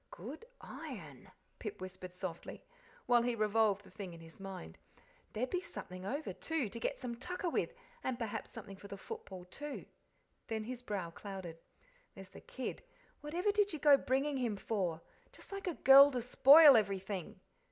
"Good iron," Pip whispered softly, while he revolved the thing in his mind. "There'd be something over, too, to get some tucker with, and perhaps something for the football, too." Then his brow clouded. "There's the kid whatever did you go bringing him for? Just like a girl to spoil everything!"